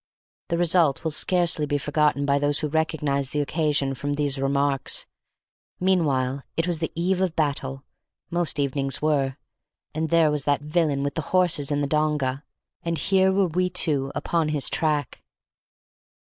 The result will scarcely be forgotten by those who recognize the occasion from these remarks. Meanwhile it was the eve of battle (most evenings were), and there was that villain with the horses in the donga, and here were we two upon his track.